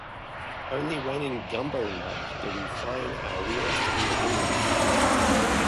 Only when in gumbo mud did we find our wheels to be a hindrance.